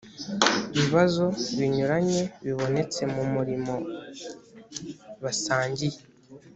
bibazo binyuranye bibonetse mu murimo basangiye